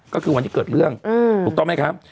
ก็คือวันที่เกิดเรื่องถูกต้องไหมครับ